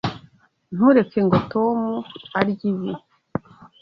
Ntureke ngo Tom arye ibi.